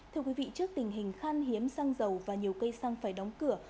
thưa quý vị trước tình hình khan hiếm xăng dầu và nhiều cây xăng phải đóng cửa